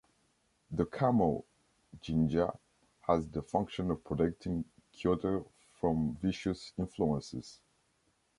The Kamo”--jinja” has the function of protecting Kyoto from vicious influences.